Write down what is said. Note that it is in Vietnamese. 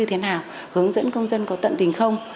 như thế nào hướng dẫn công dân có tận tình không